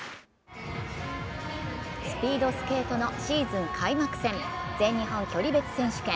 スピードスケートのシーズン開幕戦、全日本距離別選手権。